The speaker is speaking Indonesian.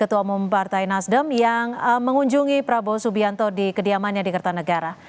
ketua umum partai nasdem yang mengunjungi prabowo subianto di kediamannya di kertanegara